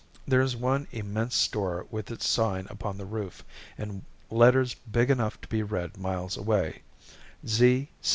There is one immense store with its sign upon the roof, in letters big enough to be read miles away, "Z.